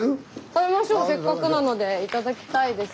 食べましょうせっかくなので頂きたいです。